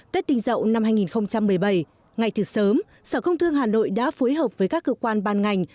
tết đinh dậu năm hai nghìn một mươi bảy ngay từ sớm sở công thương hà nội đã phối hợp với các cơ quan ban ngành